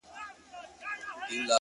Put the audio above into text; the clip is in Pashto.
ماهېره که،